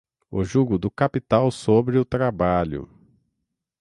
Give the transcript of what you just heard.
o jugo do capital sobre o trabalho